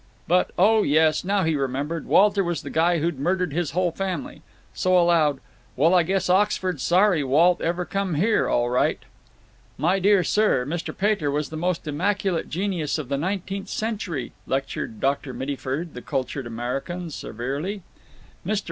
But—oh yes, now he remembered; Walter was the guy that 'd murdered his whole family. So, aloud, "Well, I guess Oxford's sorry Walt ever come here, all right." "My dear sir, Mr. Pater was the most immaculate genius of the nineteenth century," lectured Dr. Mittyford, the cultured American, severely. Mr.